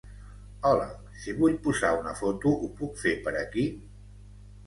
Hola, sí, vull posar una foto, ho puc fer per aquí?